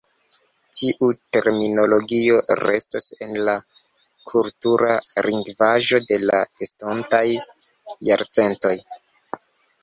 Tiu terminologio restos en la kultura lingvaĵo de la estontaj jarcentoj.